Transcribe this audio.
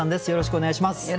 よろしくお願いします。